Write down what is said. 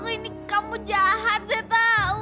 ini kamu jahat zeta